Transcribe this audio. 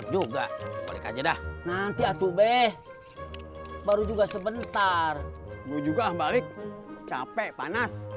juga aja dah nanti atuh beh baru juga sebentar juga balik capek panas